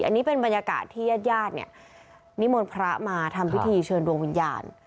อันนี้เป็นบรรยากาศที่ยาดนิมนต์พระมาทำพิธีเชิญดวงวิญญาณ